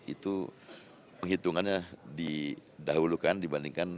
itu penghitungannya didahulukan dibandingkan